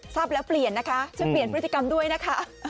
ทราบแล้วเปลี่ยนนะคะช่วยเปลี่ยนพฤติกรรมด้วยนะคะ